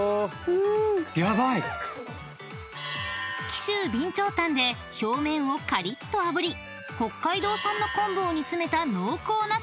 ［紀州備長炭で表面をカリッとあぶり北海道産の昆布を煮詰めた濃厚なしょうゆ